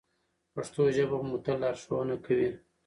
پښتو ژبه به مو تل لارښوونه کوي.